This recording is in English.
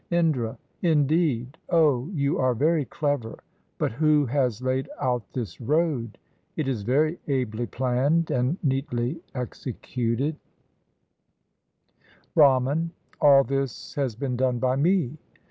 Indra. — Indeed ! O, you are very clever. But who has laid out this road? It is very ably planned and neatly executed. 245 INDIA Brahman. — All this has been done by me.